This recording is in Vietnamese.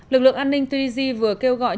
lực lượng an ninh tuy di di vừa kêu gọi